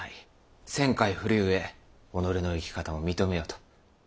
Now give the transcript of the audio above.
１，０００回振るゆえ己の生き方も認めよと。